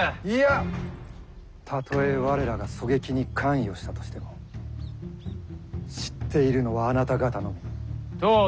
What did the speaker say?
いやたとえ我らが狙撃に関与したとしても知っているのはあなた方のみ。